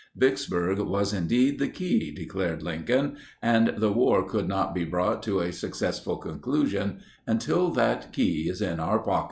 Vicksburg was indeed the key, declared Lincoln, and the war could not be brought to a successful conclusion "until that key is in our pocket."